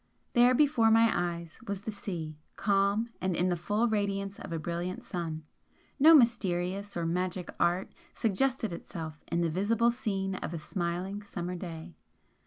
There before my eyes was the sea, calm, and in the full radiance of a brilliant sun. No mysterious or magic art suggested itself in the visible scene of a smiling summer day.